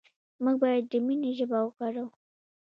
موږ باید د مینې ژبه وکاروو.